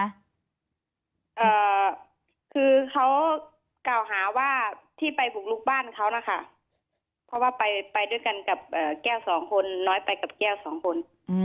อ่าคือเขากล่าวหาว่าที่ไปบุกลุกบ้านเขานะคะเพราะว่าไปไปด้วยกันกับแก้วสองคนน้อยไปกับแก้วสองคน